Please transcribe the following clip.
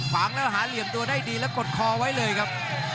ฝังแล้วหาเหลี่ยมตัวได้ดีแล้วกดคอไว้เลยครับ